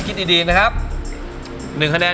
พี่ฟองอีก๑ดวงดาว